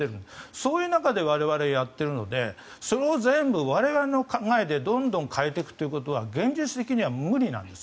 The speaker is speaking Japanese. そういう中で我々はやっているのでそれを全部我々の考えでどんどん変えていくことは現実的には無理なんです。